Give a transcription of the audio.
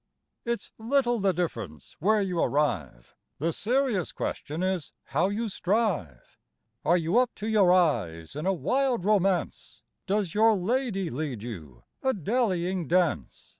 It's little the difference where you arrive; The serious question is how you strive. Are you up to your eyes in a wild romance? Does your lady lead you a dallying dance?